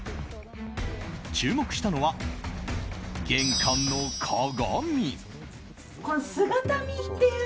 注目したのは、玄関の鏡。